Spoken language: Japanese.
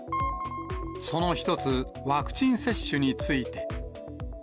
その一つ、ワクチン接種について。